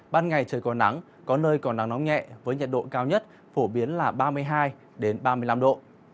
ban ngày trời có nắng có nơi còn nắng nóng nhẹ với nhiệt độ cao nhất phổ biến là ba mươi hai ba mươi năm độ